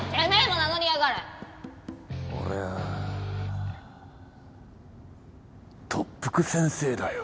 俺は特服先生だよ。